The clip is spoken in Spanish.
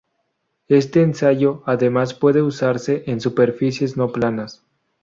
Este ensayo, además, puede usarse en superficies no planas.